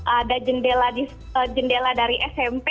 ada jendela dari smp